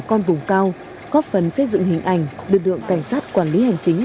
các bà con vùng cao góp phần xây dựng hình ảnh được được cảnh sát quản lý hành chính